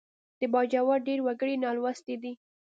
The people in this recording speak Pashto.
د باجوړ ډېر وګړي نالوستي دي